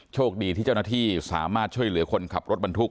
โชคดีที่เจ้าหน้าที่สามารถช่วยเหลือคนขับรถบรรทุก